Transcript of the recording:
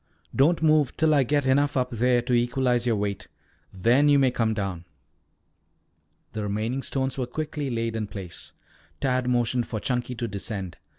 Don't move till I get enough up there to equalize your weight. Then you may come down." The remaining stones were quickly laid in place. Tad motioned for Chunky to descend.